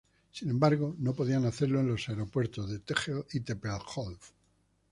Sin embargo, no podían hacerlo en los aeropuertos de Tegel y Tempelhof.